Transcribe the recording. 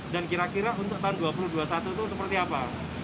dan kira kira untuk tahun dua ribu dua puluh satu itu seperti apa